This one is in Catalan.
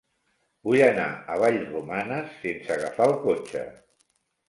Vull anar a Vallromanes sense agafar el cotxe.